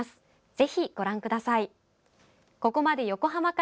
ぜひ、ご覧ください。